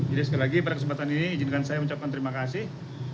jadi sekali lagi pada kesempatan ini izinkan saya ucapkan terima kasih